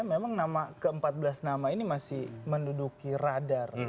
memang ke empat belas nama ini masih menduduki radar